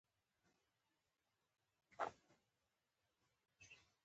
توندلاري خلک ځای پر ځای کېږي.